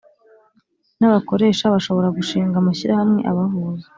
N abakoresha bashobora gushinga amashyirahamwe abahuza